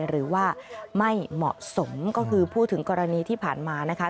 หรือว่าไม่เหมาะสมก็คือพูดถึงกรณีที่ผ่านมานะคะ